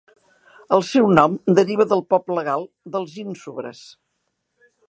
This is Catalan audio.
El seu nom deriva del poble gal dels ínsubres.